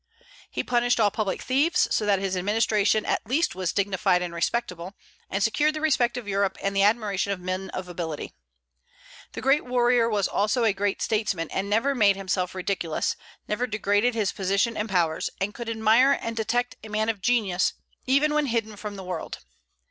He punished all public thieves; so that his administration at least was dignified and respectable, and secured the respect of Europe and the admiration of men of ability. The great warrior was also a great statesman, and never made himself ridiculous, never degraded his position and powers, and could admire and detect a man of genius, even when hidden from the world.